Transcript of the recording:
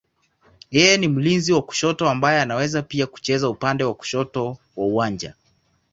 Yeye ni mlinzi wa kushoto ambaye anaweza pia kucheza upande wa kushoto wa uwanja.